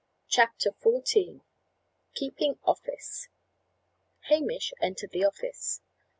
CHAPTER XIV. KEEPING OFFICE. Hamish entered the office.